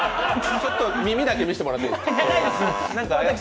ちょっと耳だけ見せてもらってもいいですか。